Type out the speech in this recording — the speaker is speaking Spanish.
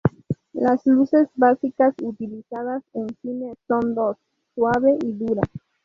Las luces básicas utilizadas en cine son dos: suave y dura.